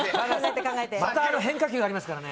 変化球ありますからね。